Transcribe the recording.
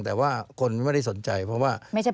แต่ว่าคนไม่ได้สนใจเพราะว่า